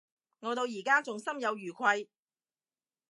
我到而家都仲心有餘悸